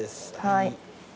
はい。